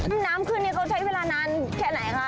น้ำขึ้นนี่เขาใช้เวลานานแค่ไหนคะ